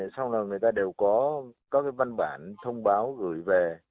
xong rồi người ta đều có các cái văn bản thông báo gửi về